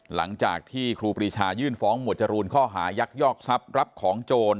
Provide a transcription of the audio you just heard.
หลังจากที่ครูปรีชายื่นฟ้องหมวดจรูนข้อหายักยอกทรัพย์รับของโจร